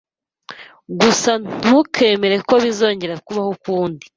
Gusa ntukemere ko bizongera kubaho ukundi.